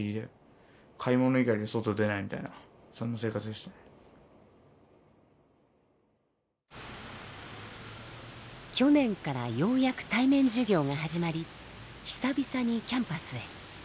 話すというのも去年からようやく対面授業が始まり久々にキャンパスへ。